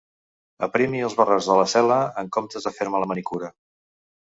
Aprimi els barrots de la cel·la en comptes de fer-me la manicura.